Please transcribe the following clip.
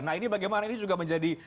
nah ini bagaimana ini juga menjadi